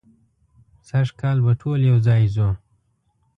سږ کال به ټول یو ځای ځو.